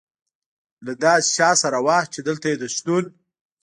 له داسې چا سره وه، چې دلته یې د شتون.